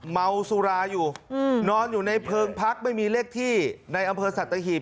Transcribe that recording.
เมาสุราอยู่นอนอยู่ในเพลิงพักไม่มีเลขที่ในอำเภอสัตหีบ